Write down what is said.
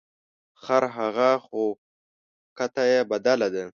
خرهغه خو کته یې بدله ده .